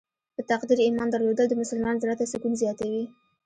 په تقدیر ایمان درلودل د مسلمان زړه ته سکون زیاتوي.